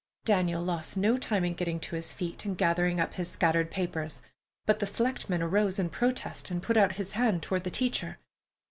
Daniel lost no time in getting to his feet and gathering up his scattered papers, but the selectman arose in protest and put out his hand toward the teacher.